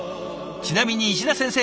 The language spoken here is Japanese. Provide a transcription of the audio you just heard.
ちなみに石田先生